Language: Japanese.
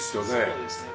そうですね。